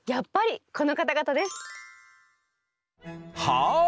はい！